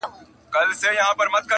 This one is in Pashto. خپل گرېوان او خپل وجدان ته ملامت سو!!